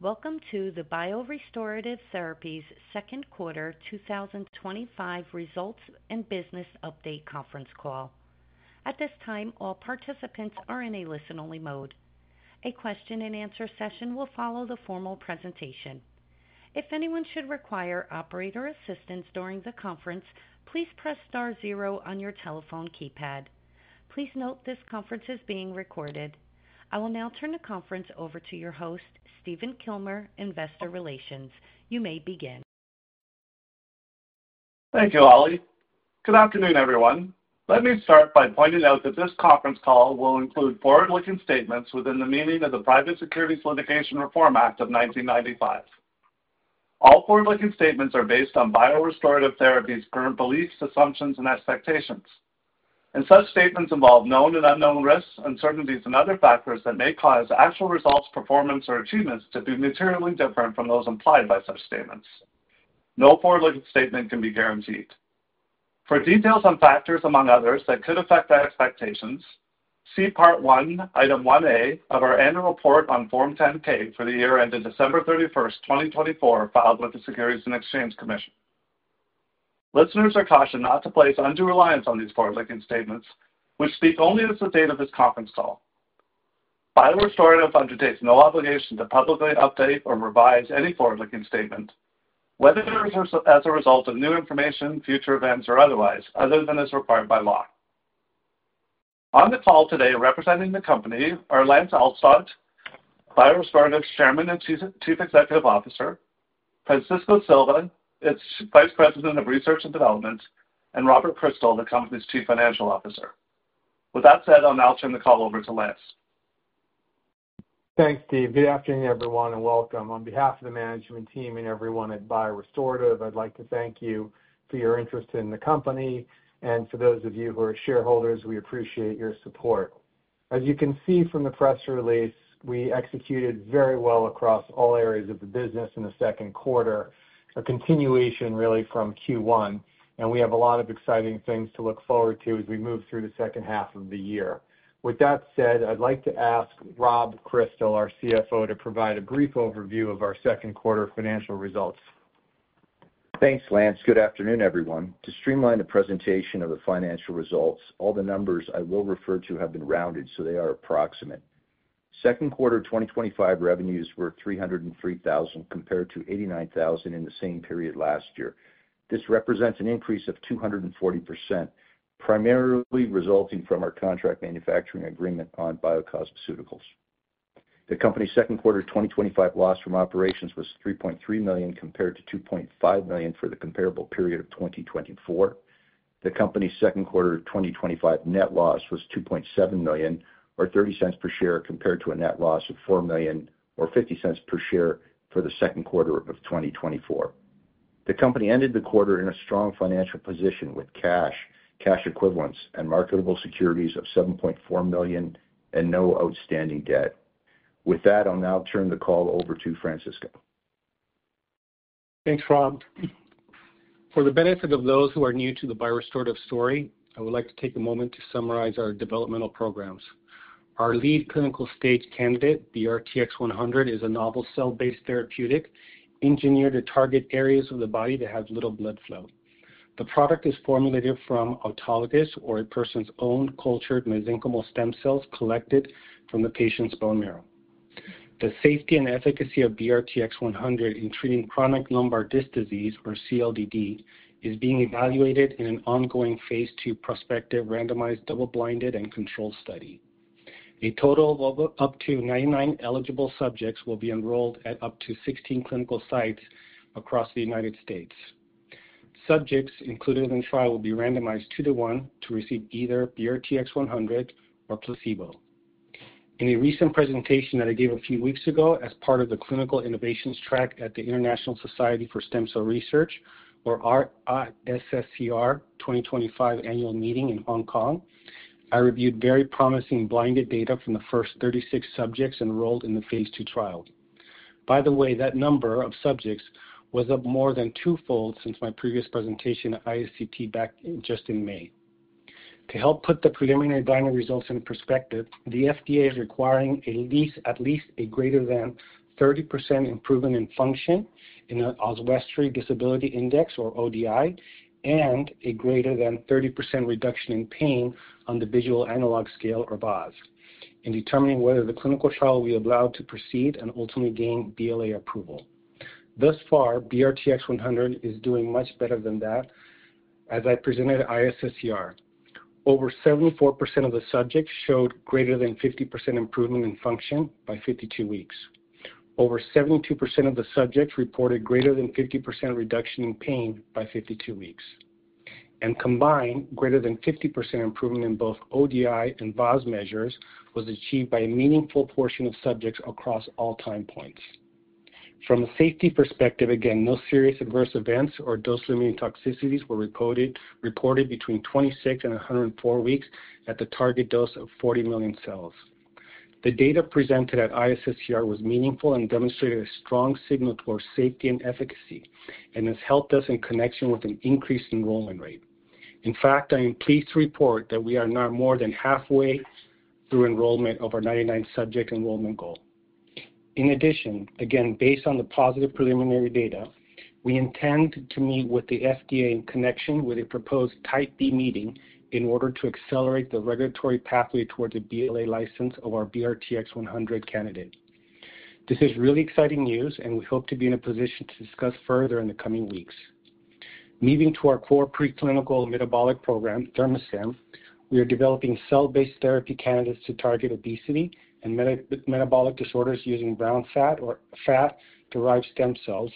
Welcome to the BioRestorative Therapies Second Quarter 2025 Results and business update conference call. At this time, all participants are in a listen-only mode. A question-and-answer session will follow the formal presentation. If anyone should require operator assistance during the conference, please press Star, zero on your telephone keypad. Please note this conference is being recorded. I will now turn the conference over to your host, Stephen Kilmer, Investor Relations. You may begin. Thank you, Ollie. Good afternoon, everyone. Let me start by pointing out that this conference call will include forward-looking statements within the meaning of the Private Securities Litigation Reform Act of 1995. All forward-looking statements are based on BioRestorative Therapies' current beliefs, assumptions, and expectations. Such statements involve known and unknown risks, uncertainties, and other factors that may cause actual results, performance, or achievements to be materially different from those implied by such statements. No forward-looking statement can be guaranteed. For details on factors, among others, that could affect our expectations, see Part 1: Item 1A of our annual report on Form 10-K for the year ended December 31st, 2024, filed with the Securities and Exchange Commission. Listeners are cautioned not to place undue reliance on these forward-looking statements, which speak only as of the date of this conference call. BioRestorative Therapies undertakes no obligation to publicly update or revise any forward-looking statement, whether it is as a result of new information, future events, or otherwise, other than as required by law. On the call today, representing the company are Lance Alstodt, BioRestorative Therapies' Chairman and Chief Executive Officer, Francisco Silva, its Vice President of Research and Development, and Robert Kristal, the company's Chief Financial Officer. With that said, I'll now turn the call over to Lance. Thanks, Steve. Good afternoon, everyone, and welcome. On behalf of the management team and everyone at BioRestorative, I'd like to thank you for your interest in the company. For those of you who are shareholders, we appreciate your support. As you can see from the press release, we executed very well across all areas of the business in the second quarter, a continuation really from Q1. We have a lot of exciting things to look forward to as we move through the second half of the year. With that said, I'd like to ask Rob Kristal, our CFO, to provide a brief overview of our second quarter financial results. Thanks, Lance. Good afternoon, everyone. To streamline the presentation of the financial results, all the numbers I will refer to have been rounded, so they are approximate. Second quarter 2025 revenues were $303,000 compared to $89,000 in the same period last year. This represents an increase of 240%, primarily resulting from our contract manufacturing agreement on BioCosmeceuticals. The company's second quarter 2025 loss from operations was $3.3 million compared to $2.5 million for the comparable period of 2024. The company's second quarter 2025 net loss was $2.7 million or $0.30 per share compared to a net loss of $4 million or $0.50 per share for the second quarter of 2024. The company ended the quarter in a strong financial position with cash, cash equivalents, and marketable securities of $7.4 million and no outstanding debt. With that, I'll now turn the call over to Francisco. Thanks, Rob. For the benefit of those who are new to the BioRestorative Therapies story, I would like to take a moment to summarize our developmental programs. Our lead clinical stage candidate, BRTX-100, is a novel cell-based therapeutic engineered to target areas of the body that have little blood flow. The product is formulated from autologous or a person's own cultured mesenchymal stem cells collected from the patient's bone marrow. The safety and efficacy of BRTX-100 in treating chronic lumbar disc disease or CLDD is being evaluated in an ongoing Phase II prospective randomized double-blind and controlled study. A total of up to 99 eligible subjects will be enrolled at up to 16 clinical sites across the United States. Subjects included in the trial will be randomized two to one to receive either BRTX-100 or placebo. In a recent presentation that I gave a few weeks ago as part of the Clinical Innovations Track at the International Society for Stem Cell Research, or ISSCR 2025 annual meeting in Hong Kong, I reviewed very promising blinded data from the first 36 subjects enrolled in the Phase II trial. By the way, that number of subjects was up more than twofold since my previous presentation at ISCT back just in May. To help put the preliminary binary results into perspective, the FDA is requiring at least a greater than 30% improvement in function in the Oswestry Disability Index, or ODI, and a greater than 30% reduction in pain on the visual analog scale, or VAS. In determining whether the clinical trial will be allowed to proceed and ultimately gain BLA approval. Thus far, BRTX-100 is doing much better than that. As I presented at ISSCR, over 74% of the subjects showed greater than 50% improvement in function by 52 weeks. Over 72% of the subjects reported greater than 50% reduction in pain by 52 weeks. Combined, greater than 50% improvement in both ODI and VAS measures was achieved by a meaningful portion of subjects across all time points. From a safety perspective, again, no serious adverse events or dose-limiting toxicities were reported between 26 and 104 weeks at the target dose of 40 million cells. The data presented at ISSCR was meaningful and demonstrated a strong signal towards safety and efficacy, and has helped us in connection with an increased enrollment rate. In fact, I am pleased to report that we are now more than halfway through enrollment of our 99 subject enrollment goal. In addition, again, based on the positive preliminary data, we intend to meet with the FDA in connection with a proposed Type B meeting in order to accelerate the regulatory pathway towards a BLA license of our BRTX-100 candidate. This is really exciting news, and we hope to be in a position to discuss further in the coming weeks. Moving to our core preclinical metabolic program, ThermoStem, we are developing cell-based therapy candidates to target obesity and metabolic disorders using brown fat-derived stem cells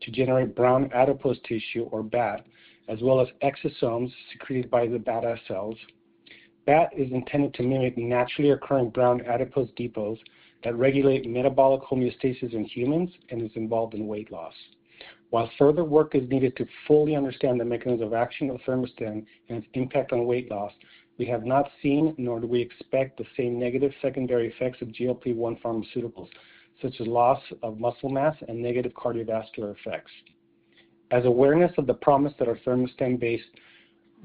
to generate brown adipose tissue, or BAT, as well as exosomes secreted by the BAT cells. BAT is intended to mimic naturally occurring brown adipose depots that regulate metabolic homeostasis in humans and is involved in weight loss. While further work is needed to fully understand the mechanism of action of ThermoStem and its impact on weight loss, we have not seen, nor do we expect, the same negative secondary effects of GLP-1 pharmaceuticals, such as loss of muscle mass and negative cardiovascular effects. As awareness of the promise that our ThermoStem-based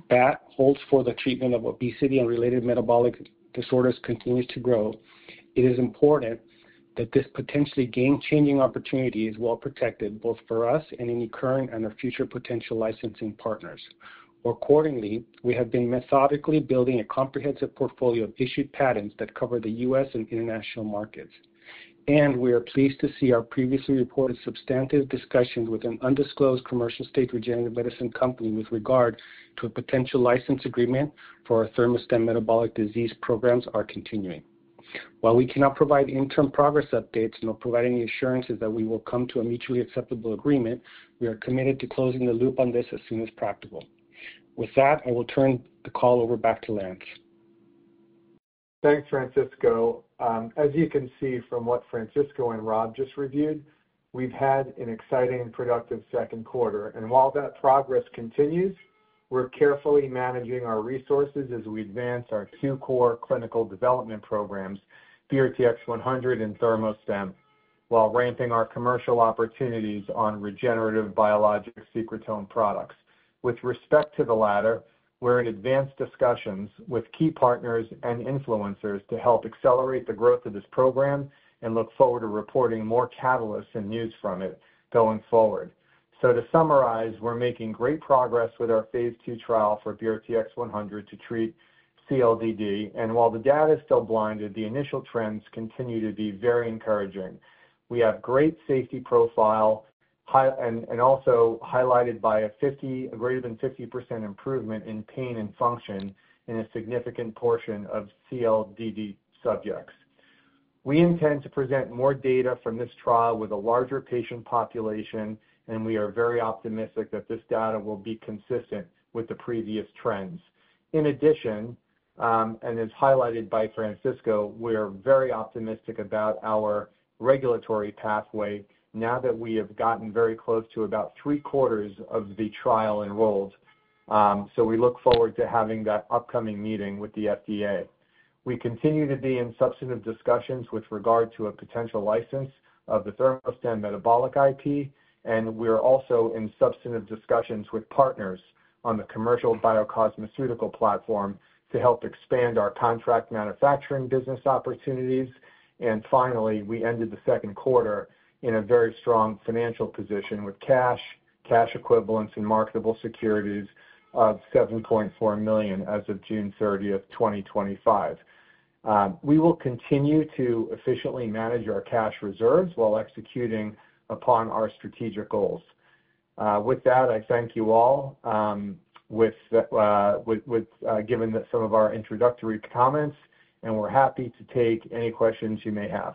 BAT holds for the treatment of obesity and related metabolic disorders continues to grow, it is important that this potentially game-changing opportunity is well protected, both for us and any current and our future potential licensing partners. Accordingly, we have been methodically building a comprehensive portfolio of issued patents that cover the U.S., and international markets. We are pleased to see our previously reported substantive discussions with an undisclosed commercial state regenerative medicine company with regard to a potential license agreement for our ThermoStem metabolic disease programs are continuing. While we cannot provide interim progress updates nor provide any assurances that we will come to a mutually acceptable agreement, we are committed to closing the loop on this as soon as practical. With that, I will turn the call over back to Lance. Thanks, Francisco. As you can see from what Francisco and Rob just reviewed, we've had an exciting and productive second quarter. While that progress continues, we're carefully managing our resources as we advance our two core clinical development programs, BRTX-100 and ThermoStem, while ramping our commercial opportunities on regenerative biologic secretome products. With respect to the latter, we're in advanced discussions with key partners and influencers to help accelerate the growth of this program and look forward to reporting more catalysts and news from it going forward. To summarize, we're making great progress with our Phase II trial for BRTX-100 to treat CLDD. While the data is still blinded, the initial trends continue to be very encouraging. We have a great safety profile and also highlighted by a greater than 50% improvement in pain and function in a significant portion of CLDD subjects. We intend to present more data from this trial with a larger patient population, and we are very optimistic that this data will be consistent with the previous trends. In addition, as highlighted by Francisco, we are very optimistic about our regulatory pathway now that we have gotten very close to about three quarters of the trial enrolled. We look forward to having that upcoming meeting with the FDA. We continue to be in substantive discussions with regard to a potential license of the ThermoStem metabolic IP, and we're also in substantive discussions with partners on the commercial BioCosmeceuticals platform to help expand our contract manufacturing business opportunities. Finally, we ended the second quarter in a very strong financial position with cash, cash equivalents, and marketable securities of $7.4 million as of June 30th, 2025. We will continue to efficiently manage our cash reserves while executing upon our strategic goals. With that, I thank you all, given that some of our introductory comments, and we're happy to take any questions you may have.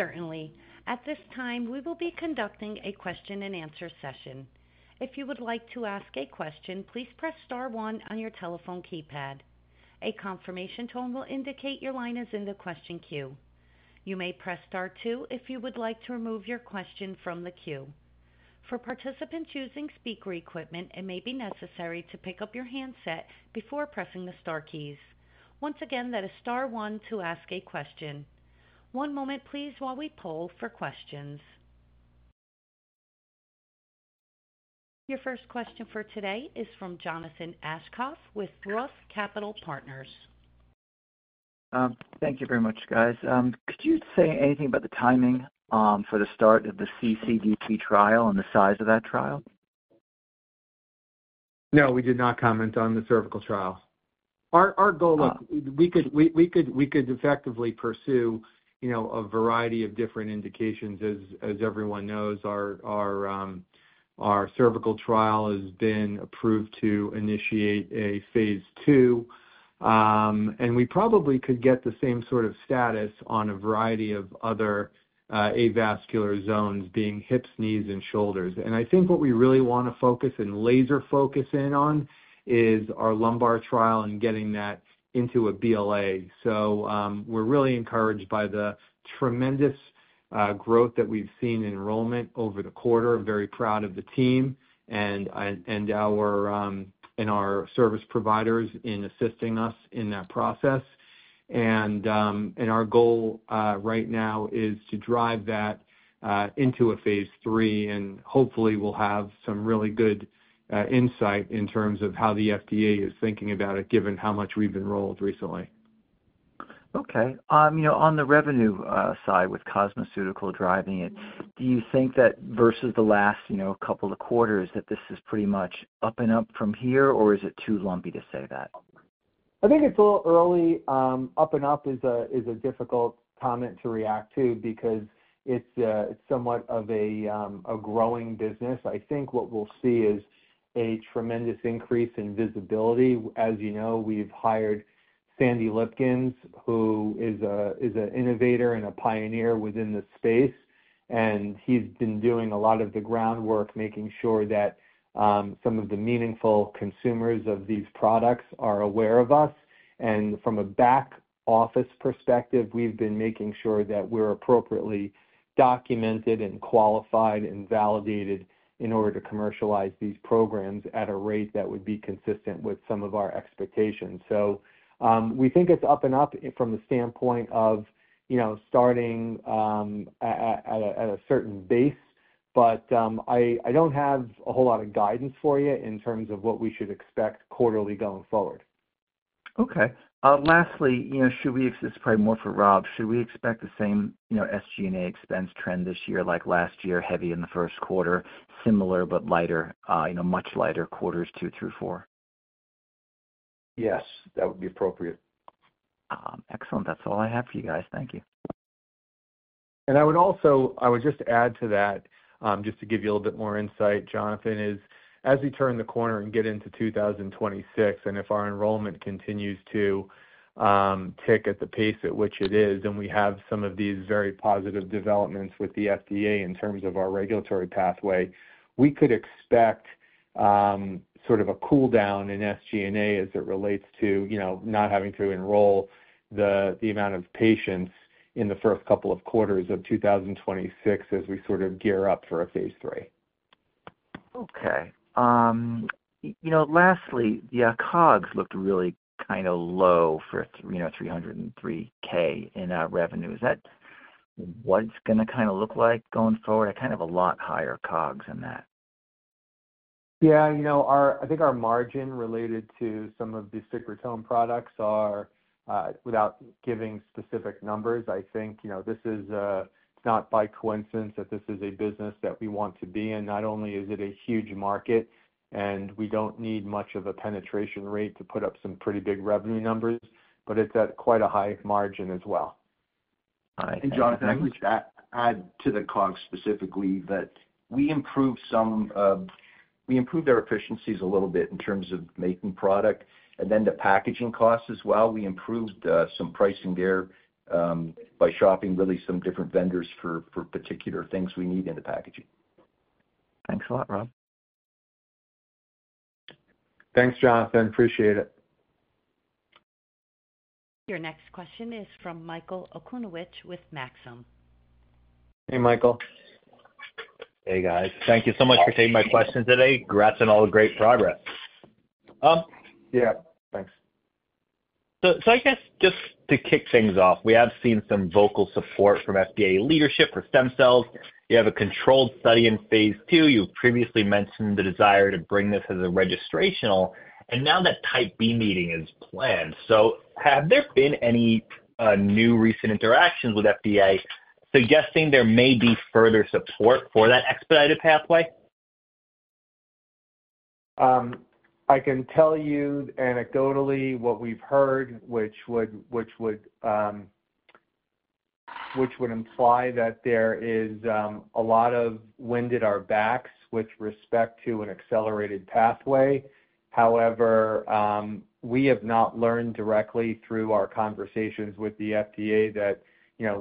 Certainly. At this time, we will be conducting a question-and-answer session. If you would like to ask a question, please press Star one on your telephone keypad. A confirmation tone will indicate your line is in the question queue. You may press Star two if you would like to remove your question from the queue. For participants using speaker equipment, it may be necessary to pick up your handset before pressing the Star keys. Once again, that is Star, one to ask a question. One moment, please, while we poll for questions. Your first question for today is from Jonathan Aschoff with ROTH Capital Partners. Thank you very much, guys. Could you say anything about the timing for the start of the CLDD trial and the size of that trial? No, we did not comment on the cervical trial. Our goal, look, we could effectively pursue a variety of different indications. As everyone knows, our cervical trial has been approved to initiate a Phase II. We probably could get the same sort of status on a variety of other avascular zones, being hips, knees, and shoulders. I think what we really want to focus and laser focus in on is our lumbar trial and getting that into a BLA. We are really encouraged by the tremendous growth that we've seen in enrollment over the quarter. Very proud of the team and our service providers in assisting us in that process. Our goal right now is to drive that into a Phase III, and hopefully, we'll have some really good insight in terms of how the FDA is thinking about it, given how much we've enrolled recently. Okay. On the revenue side with BioCosmeceuticals driving it, do you think that versus the last couple of quarters that this is pretty much up and up from here, or is it too lumpy to say that? I think it's a little early. Up and up is a difficult comment to react to because it's somewhat of a growing business. I think what we'll see is a tremendous increase in visibility. As you know, we've hired Sandy Lipkins, who is an innovator and a pioneer within the space. He's been doing a lot of the groundwork, making sure that some of the meaningful consumers of these products are aware of us. From a back-office perspective, we've been making sure that we're appropriately documented, qualified, and validated in order to commercialize these programs at a rate that would be consistent with some of our expectations. We think it's up and up from the standpoint of starting at a certain base, but I don't have a whole lot of guidance for you in terms of what we should expect quarterly going forward. Okay. Lastly, should we—this is probably more for Rob—should we expect the same SG&A expense trend this year like last year, heavy in the first quarter, similar but lighter, much lighter quarters two through four? Yes, that would be appropriate. Excellent. That's all I have for you guys. Thank you. I would just add to that, just to give you a little bit more insight, Jonathan, as we turn the corner and get into 2026, if our enrollment continues to tick at the pace at which it is, and we have some of these very positive developments with the FDA in terms of our regulatory pathway, we could expect sort of a cooldown in SG&A as it relates to not having to enroll the amount of patients in the first couple of quarters of 2026 as we sort of gear up for a Phase III. Okay. Lastly, the COGs looked really kind of low for $303,000 in revenue. Is that what it's going to look like going forward? I have a lot higher COGs than that. Yeah, I think our margin related to some of the secretome products are, without giving specific numbers, I think this is not by coincidence that this is a business that we want to be in. Not only is it a huge market, and we don't need much of a penetration rate to put up some pretty big revenue numbers, but it's at quite a high margin as well. Jonathan, I can just add to the COGs specifically that we improved their efficiencies a little bit in terms of making product. The packaging costs as well, we improved some pricing there by shopping really some different vendors for particular things we need in the packaging. Thanks a lot, Rob. Thanks, Jonathan. Appreciate it. Your next question is from Michael Okunewitch with Maxim Group. Hey, Michael. Hey, guys. Thank you so much for taking my question today. Congrats on all the great progress. Yeah, thanks. I guess just to kick things off, we have seen some vocal support from FDA leadership for stem cells. You have a controlled study in Phase II. You previously mentioned the desire to bring this as a registrational, and now that Type B meeting is planned. Have there been any new recent interactions with FDA suggesting there may be further support for that expedited pathway? I can tell you anecdotally what we've heard, which would imply that there is a lot of wind at our backs with respect to an accelerated pathway. However, we have not learned directly through our conversations with the FDA that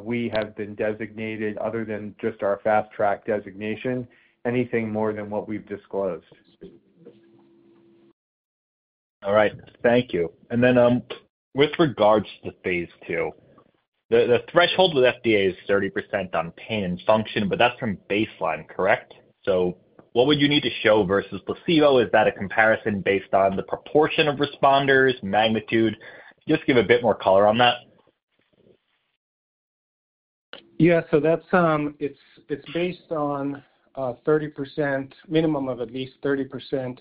we have been designated, other than just our fast-track designation, anything more than what we've disclosed. All right. Thank you. With regards to Phase II, the threshold of the FDA is 30% on pain and function, but that's from baseline, correct? What would you need to show versus placebo? Is that a comparison based on the proportion of responders or magnitude? Just give a bit more color on that. Yeah, so that's based on a 30% minimum of at least 30%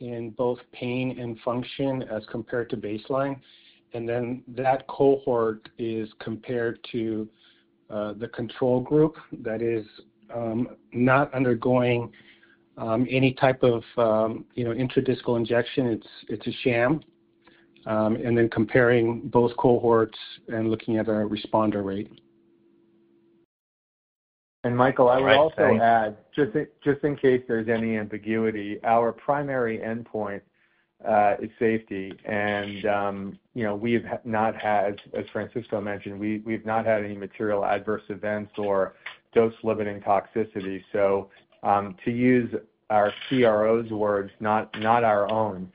in both pain and function as compared to baseline. That cohort is compared to the control group that is not undergoing any type of intradiscal injection. It's a sham. Comparing both cohorts and looking at a responder rate. Michael, I would also add, just in case there's any ambiguity, our primary endpoint is safety. You know, we have not had, as Francisco mentioned, we've not had any material adverse events or dose-limiting toxicity. To use our CRO's words, not our own,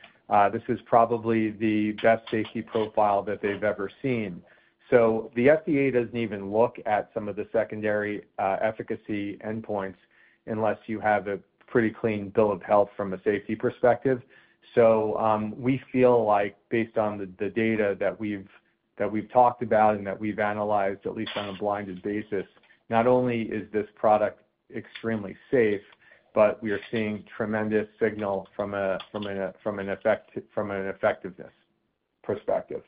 this is probably the best safety profile that they've ever seen. The FDA doesn't even look at some of the secondary efficacy endpoints unless you have a pretty clean bill of health from a safety perspective. We feel like, based on the data that we've talked about and that we've analyzed, at least on a blinded basis, not only is this product extremely safe, but we are seeing tremendous signal from an effectiveness perspective.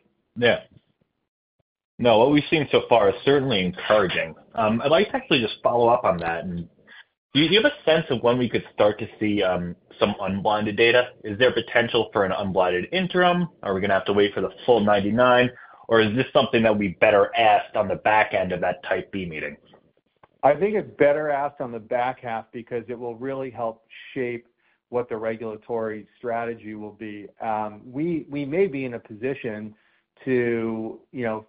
What we've seen so far is certainly encouraging. I'd like to actually just follow up on that. Do you have a sense of when we could start to see some unblinded data? Is there potential for an unblinded interim? Are we going to have to wait for the full 99, or is this something that we better ask on the back end of that Type B meeting? I think it's better asked on the back half because it will really help shape what the regulatory strategy will be. We may be in a position to,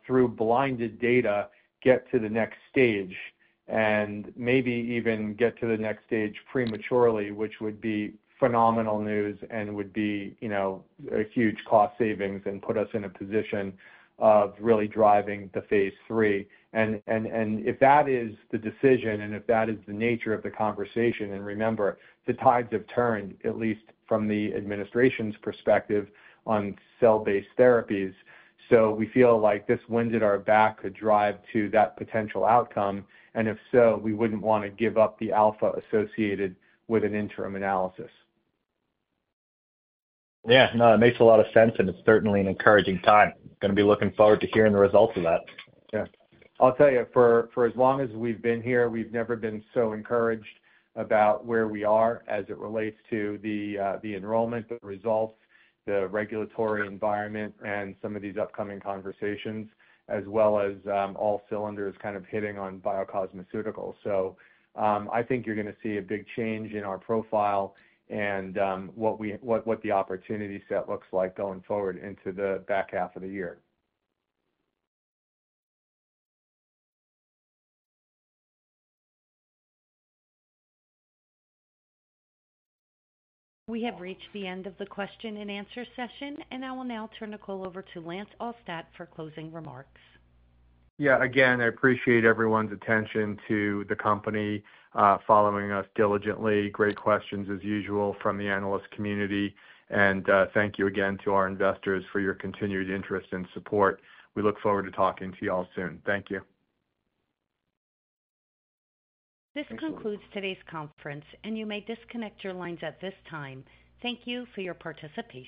through blinded data, get to the next stage and maybe even get to the next stage prematurely, which would be phenomenal news and would be a huge cost savings and put us in a position of really driving the Phase III. If that is the decision and if that is the nature of the conversation, remember, the tides have turned, at least from the administration's perspective on cell-based therapies. We feel like this wind at our back could drive to that potential outcome. If so, we wouldn't want to give up the alpha associated with an interim analysis. That makes a lot of sense. It's certainly an encouraging time. Going to be looking forward to hearing the results of that. I'll tell you, for as long as we've been here, we've never been so encouraged about where we are as it relates to the enrollment, the results, the regulatory environment, and some of these upcoming conversations, as well as all cylinders kind of hitting on BioCosmeceuticals. I think you're going to see a big change in our profile and what the opportunity set looks like going forward into the back half of the year. We have reached the end of the question-and-answer session, and I will now turn the call over to Lance Alstodt for closing remarks. I appreciate everyone's attention to the company, following us diligently. Great questions, as usual, from the analyst community. Thank you again to our investors for your continued interest and support. We look forward to talking to you all soon. Thank you. This concludes today's conference, and you may disconnect your lines at this time. Thank you for your participation.